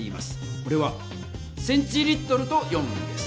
これは「センチリットル」と読むんです。